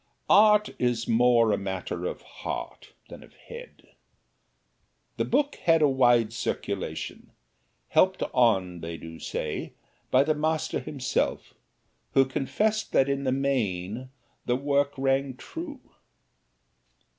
Art is more a matter of heart than of head. The book had a wide circulation, helped on, they do say, by the Master himself, who confessed that in the main the work rang true.